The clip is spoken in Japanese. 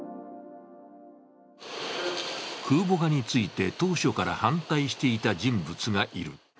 空母化について当初から反対していた人物がいる。